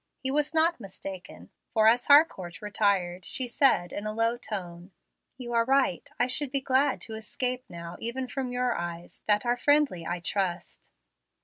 He was not mistaken, for as Harcourt retired she said in a low tone, "You are right. I should be glad to escape now even from your eyes, that are friendly, I trust."